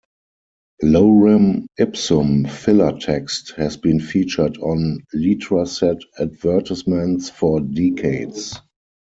Lorem Ipsum filler text has been featured on Letraset advertisements for decades.